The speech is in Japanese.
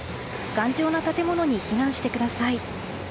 頑丈な建物に避難してください。